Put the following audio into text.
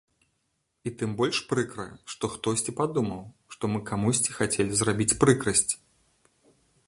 І тым больш прыкра, што хтосьці падумаў, што мы камусьці хацелі зрабіць прыкрасць.